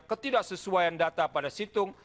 ketidaksesuaian data pada situng